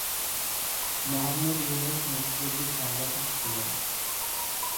মোহাম্মদ ইউনুস মুক্তিযুদ্ধের সংগঠক ছিলেন।